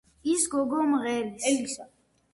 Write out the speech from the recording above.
ის გოგო მღერის.